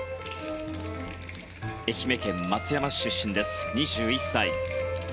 愛媛県松山市出身２１歳。